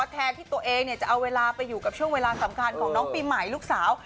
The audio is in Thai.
แทนที่ตัวเองจะเอาเวลาไปอยู่กับช่วงเวลาสำคัญของน้องปีใหม่ลูกสาว